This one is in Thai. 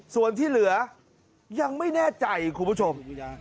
ส่วนที่เหลือยังไม่แน่ใจคุณผู้ชม